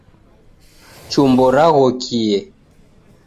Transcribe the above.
Chumbo raghokie.